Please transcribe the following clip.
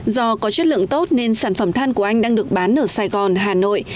do có chất lượng tốt nên sản phẩm than của anh đang được bán ở sài gòn hà nội